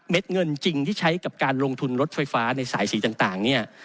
เงินจริงที่ใช้กับการลงทุนรถไฟฟ้าในสายสีต่างเนี่ย